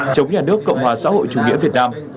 chống nhà nước cộng hòa xã hội chủ nghĩa việt nam